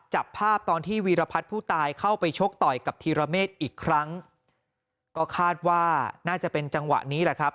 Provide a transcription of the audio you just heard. จับภาพตอนที่วีรพัฒน์ผู้ตายเข้าไปชกต่อยกับธีรเมฆอีกครั้งก็คาดว่าน่าจะเป็นจังหวะนี้แหละครับ